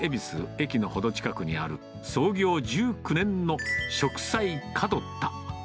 駅の程近くにある創業１９年の食彩かどた。